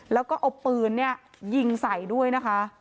แล้วก็เอาปืนเนี่ยยิงใส่ด้วยนะคะ